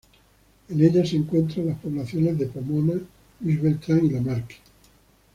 En ellas se encuentran las poblaciones de Pomona, Luis Beltrán y Lamarque.